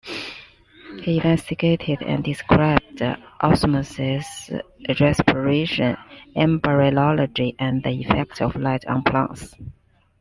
He investigated and described osmosis, respiration, embryology, and the effect of light on plants.